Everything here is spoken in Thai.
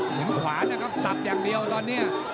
เหมือนขวาแต่ก็ซับอย่างเดียวตอนนี้